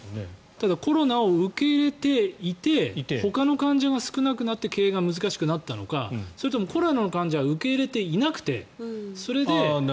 ただコロナを受け入れていてほかの患者が少なくなって経営が難しくなったのかそれともコロナの患者は受け入れていなくてそれで。